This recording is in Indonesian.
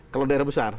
kalau daerah besar